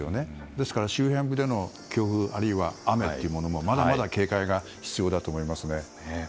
ですから周辺部での強風あるいは雨というものもまだまだ警戒が必要だと思います。